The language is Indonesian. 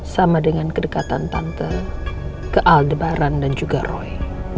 sama dengan kedekatan tante ke aldebaran dan juga roy